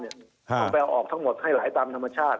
ต้องไปเอาออกทั้งหมดให้ไหลตามธรรมชาติ